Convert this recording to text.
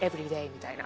みたいな。